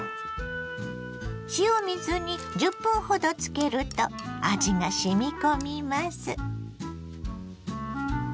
塩水に１０分ほどつけると味がしみ込みます。